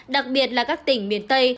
đặc biệt là các tỉnh miền tây